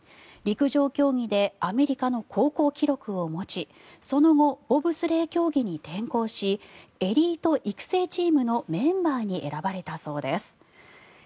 陸上競技でアメリカの高校記録を持ちその後、ボブスレー競技に転向しエリート育成チームのメンバーに選ばれたそうです。